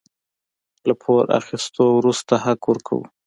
له پور اخيستو وروسته حق ورکوو.